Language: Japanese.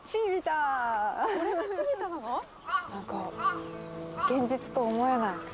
何か現実と思えない。